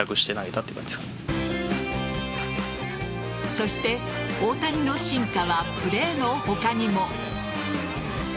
そして大谷の進化はプレーの他にも。